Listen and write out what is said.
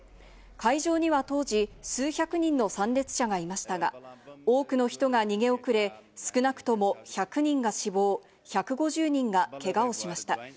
イギリスＢＢＣによりますと、火災は夜１１時ごろに発生、会場には当時、数百人の参列者がいましたが、多くの人が逃げ遅れ、少なくとも１００人が死亡、１５０人がけがをしました。